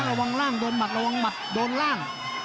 ระวังร่างโดนหมัดระวังหมัดโดนล่าง